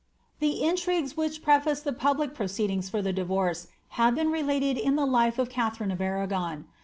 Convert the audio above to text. The intrigues wliich prefaced the public proceedings for the divorce have been related in the life of Katharine of Arragon.